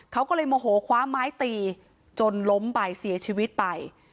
เขาก็เลยโมโหคว้าไม้ตีจนล้มไปเสียชีวิตไป